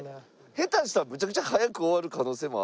下手したらむちゃくちゃ早く終わる可能性もある。